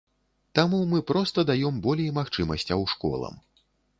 Таму мы проста даём болей магчымасцяў школам.